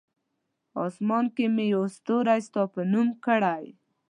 آسمان کې مې یو ستوری ستا په نوم کړی!